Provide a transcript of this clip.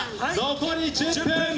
残り１０分！